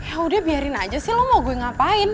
yaudah biarin aja sih lo mau gue ngapain